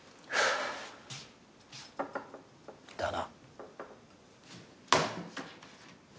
だな